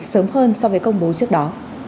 sớm hơn so với công bố trước đó